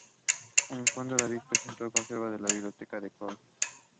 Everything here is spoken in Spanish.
El fondo David Padrós se conserva en la Biblioteca de Cataluña.